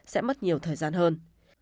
sẽ mất nhiều thời gian hơn